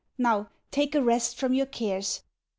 Now, take a rest from your cares.